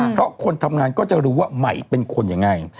เพราะคนทำงานก็จะรู้ว่าใหม่เป็นคนยังไง